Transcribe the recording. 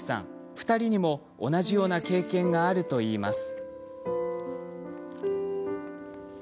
２人にも同じような経験があるといいます。